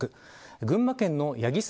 群馬県の矢木沢